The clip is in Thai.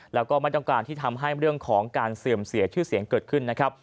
แล้วก็ไม่ต้องการที่ทำให้เรื่องของการเสื่อมเสียชื่อเสียงเกิดขึ้นนะครับ